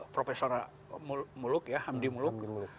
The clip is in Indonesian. profesor muluk hamdi muluk